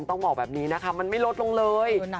ต้องบอกแบบนี้นะคะมันไม่ลดลงเลย